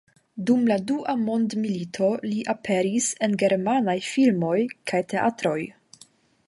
Dum la Dua mondmilito li aperis en germanaj filmoj kaj teatroj.